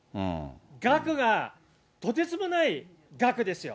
額がとてつもない額ですよ。